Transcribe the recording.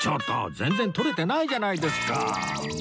全然撮れてないじゃないですか！